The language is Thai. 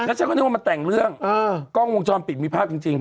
ฉันก็นึกว่ามาแต่งเรื่องกล้องวงจรปิดมีภาพจริง